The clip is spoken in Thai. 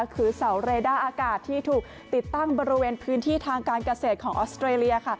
คือเสาเรด้าอากาศที่ถูกติดตั้งบริเวณพื้นที่ทางการเกษตรของออสเตรเลีย